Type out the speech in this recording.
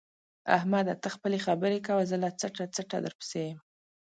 احمده! ته خپلې خبرې کوه زه له څټه څټه درپسې یم.